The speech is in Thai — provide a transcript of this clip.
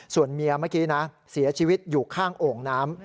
ส่วนเมียเมื่อกี้นะเสียชีวิตอยู่ข้างโอ่งน้ำ